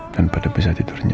dan pada besok tidurnya